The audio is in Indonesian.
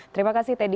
terima kasih teddy